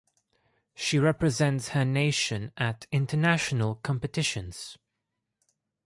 She represents her nation at international competitions.